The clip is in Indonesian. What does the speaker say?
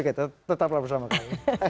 tetap berhubungan sama kami